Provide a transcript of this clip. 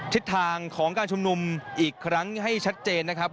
ทิศทางของการชุมนุมอีกครั้งให้ชัดเจนนะครับ